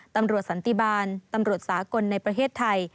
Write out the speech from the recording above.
สันติบาลตำรวจสากลในประเทศไทย